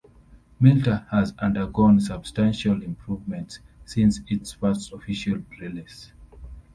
Milter has undergone substantial improvements since its first official release.